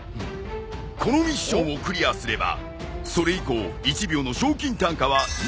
このミッションをクリアすればそれ以降１秒の賞金単価は２倍に。